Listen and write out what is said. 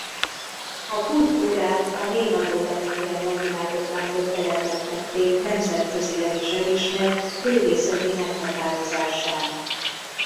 A kultúrát a névadó lelőhelyen napvilágot látott leletek tették nemzetközileg is elismert régészeti meghatározássá.